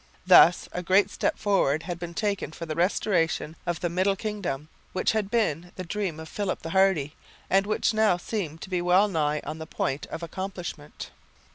Thus a great step forward had been taken for the restoration of the middle kingdom, which had been the dream of Philip the Hardy, and which now seemed to be well nigh on the point of accomplishment.